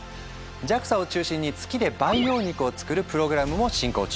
ＪＡＸＡを中心に月で培養肉を作るプログラムも進行中。